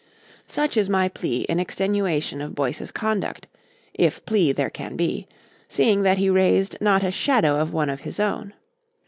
Such is my plea in extenuation of Boyce's conduct (if plea there can be), seeing that he raised not a shadow of one of his own.